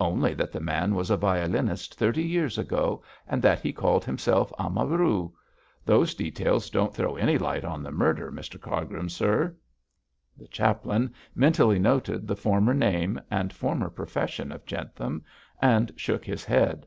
Only that the man was a violinist thirty years ago, and that he called himself Amaru. Those details don't throw any light on the murder, Mr Cargrim, sir.' The chaplain mentally noted the former name and former profession of Jentham and shook his head.